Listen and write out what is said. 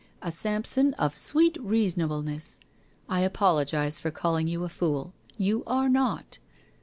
A Samson of sweet reasonableness. I apologize for calling you a fool. You are not.